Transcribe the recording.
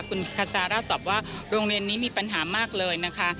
คุณคาซาร่าตอบว่าโรงเรียนนี้มีปัญหามากเลยนะคะ